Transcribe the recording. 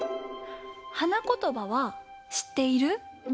はなことばはしっている？